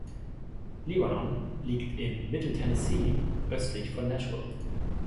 Lebanon liegt in Mittel-Tennessee, östlich von Nashville.